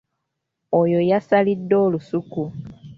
Ono y'asalidde olusuku.